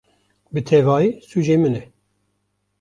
Bi tevahî sûcê min e!